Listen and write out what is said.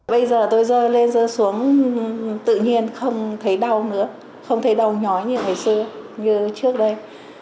bây giờ tôi rơi lên rơi xuống tự nhiên không thấy đau nữa không thấy đau nhói như ngày xưa như trước đây